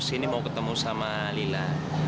sini mau ketemu sama lila